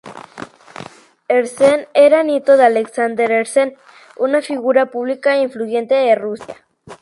Herzen era nieto de Alexander Herzen, una figura pública influyente en Rusia.